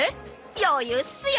余裕っすよ。